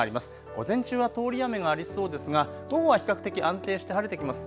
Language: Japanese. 午前中は通り雨がありそうですが午後は比較的安定して晴れてきます。